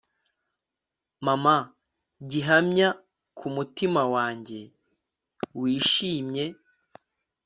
mama, gihamya kumutima wanjye wishimye